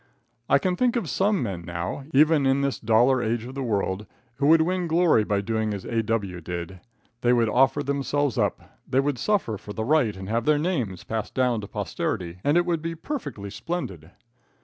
I can think of some men now, even in this $ age of the world, who could win glory by doing as A.W. did. They could offer themselves up. They could suffer for the right and have their names passed down to posterity, and it would be perfectly splendid.